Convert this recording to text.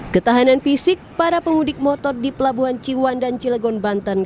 ketahanan fisik para pemudik motor di pelabuhan ciwan dan cilegon banten